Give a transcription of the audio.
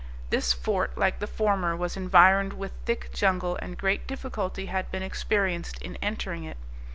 This fort, like the former, was environed with thick jungle, and great difficulty had been experienced in entering it.